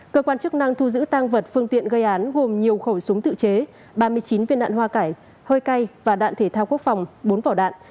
cơ quan chức năng thu giữ tăng vật phương tiện gây án gồm nhiều khẩu súng tự chế ba mươi chín viên đạn hoa cải hơi cay và đạn thể thao quốc phòng bốn vỏ đạn